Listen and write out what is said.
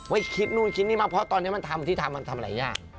คิดนู่นคิดนี่มาเพราะตอนนี้มันทำที่ทำมันทำอะไรยาก